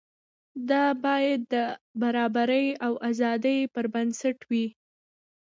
دا باید د برابرۍ او ازادۍ پر بنسټ وي.